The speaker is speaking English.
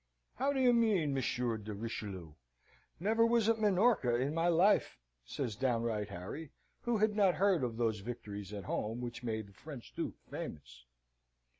"How do you mean, Monsieur de Richelieu? Never was at Minorca in my life," says downright Harry, who had not heard of those victories at home, which made the French duke famous.